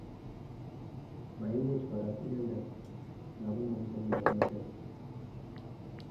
Maimuch ko rat inendet ngamun mamiten baornatet